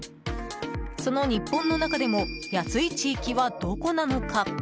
その日本の中でも安い地域はどこなのか。